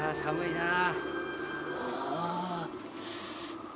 なあ。